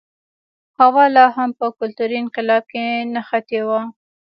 هوا لا هم په کلتوري انقلاب کې نښتی و.